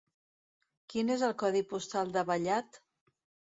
Quin és el codi postal de Vallat?